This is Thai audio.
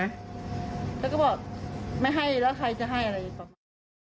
เขาก็บอกไม่ให้แล้วใครจะให้อะไร